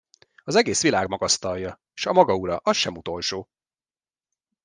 Az egész világ magasztalja; s a maga ura, az sem utolsó!